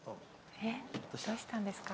えっどうしたんですか。